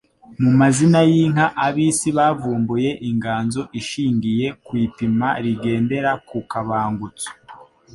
Mu mazina y'inka abisi bavumbuye inganzo ishingiye ku ipima rigendera ku kabangutso.